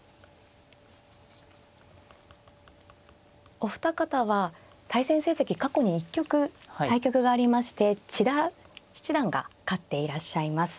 お二方は対戦成績過去に一局対局がありまして千田七段が勝っていらっしゃいます。